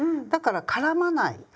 だから絡まない。